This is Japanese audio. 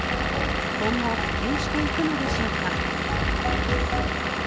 今後、普及していくのでしょうか。